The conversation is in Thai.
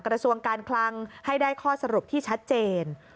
กระทรวงการคลังให้ได้ข้อสรุปที่ชัดเจน